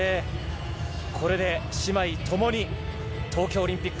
これで姉妹共に東京オリンピック